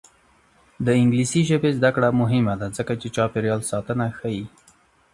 د انګلیسي ژبې زده کړه مهمه ده ځکه چې چاپیریال ساتنه ښيي.